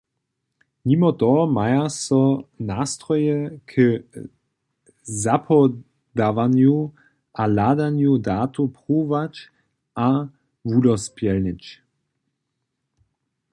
Nimo toho maja so nastroje k zapodawanju a hladanju datow pruwować a wudospołnjeć.